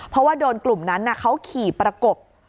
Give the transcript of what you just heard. เพราะว่าโดนกลุ่มนั้นเขาขี่ประกบ